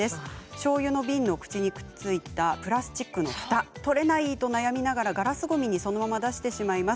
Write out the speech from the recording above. しょうゆの瓶の口にくっついたプラスチックのふた取れないと悩みながらガラスごみにそのまま出してしまいます。